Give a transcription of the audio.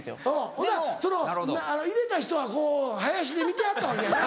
ほんならその入れた人はこう林で見てはったわけやな？